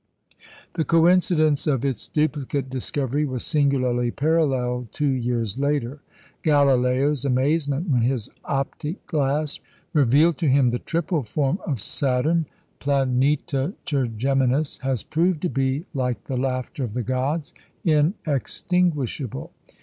The coincidence of its duplicate discovery was singularly paralleled two years later. Galileo's amazement when his "optic glass" revealed to him the "triple" form of Saturn planeta tergeminus has proved to be, like the laughter of the gods, "inextinguishable."